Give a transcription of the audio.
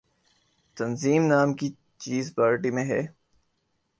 تنظیم نام کی چیز پارٹی میں ہے۔